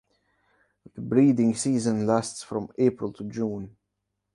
The breeding season lasts from April to June.